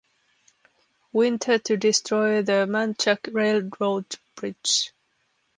Winter to destroy the Manchac railroad bridge.